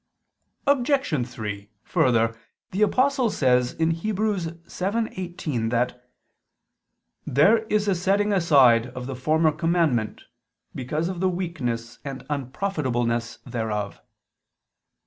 Obj. 3: Further, the Apostle says (Heb. 7:18) that "there is a setting aside of the former commandment, because of the weakness and unprofitableness thereof."